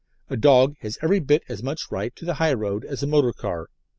A dog has every bit as much right to the high road as a motor car.